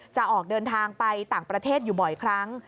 จะออกเดินทางไปต่างประเทศอยู่บ่อยครั้ง